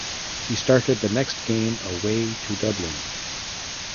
He started the next game away to Dublin.